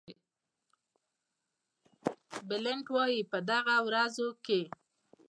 بلنټ وایي په دغه ورځو کې.